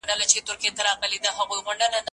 ايا ته کالي وچوې!.